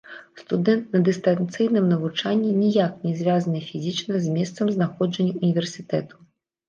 Студэнт на дыстанцыйным навучанні ніяк не звязаны фізічна з месцам знаходжання ўніверсітэту.